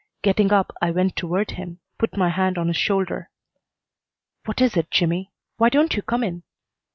Getting up, I went toward him, put my hand on his shoulder. "What is it, Jimmy? Why don't you come in?"